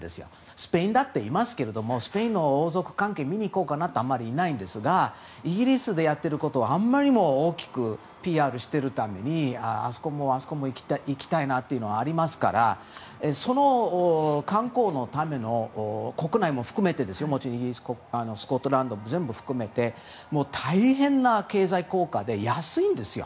スペインだっていますがスペインの王族関係見に行こうかなっていう方あまりいないんですがイギリスでやってることはあまりにも大きくＰＲしているためにあそこも、あそこも行きたいというのがありますからその観光のために国内も含めてスコットランドも全部含めて大変な経済効果で安いんですよ。